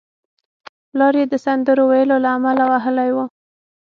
پلار یې د سندرو ویلو له امله وهلی و